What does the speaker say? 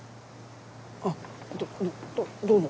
あっどどどどうぞ。